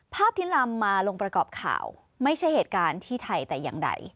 ภาพที่นำมาลงประกอบข่าวไม่ใช่เหตุการณ์ที่ไทยแต่อย่างใด